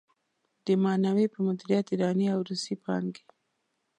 د معنوي په مديريت ايراني او روسي پانګې.